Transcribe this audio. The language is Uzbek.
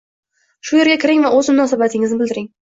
Shu yerga kiring va o‘z munosabatingizni bildiring